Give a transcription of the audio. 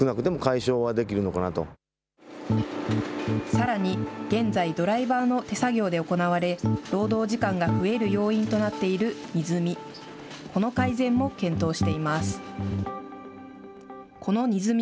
さらに、現在、ドライバーの手作業で行われ、労働時間が増える要因となっている荷積み。